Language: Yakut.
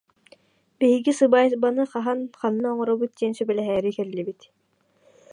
Биһиги сыбаайбаны хаһан, ханна оҥоробут диэн сүбэлэһээри кэллибит